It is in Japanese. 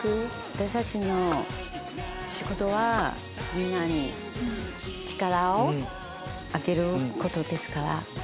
私たちの仕事はみんなに力をあげることですから。